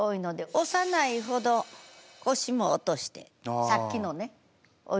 幼いほど腰も落としてさっきのねおい